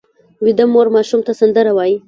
ویده مور ماشوم ته سندره وایي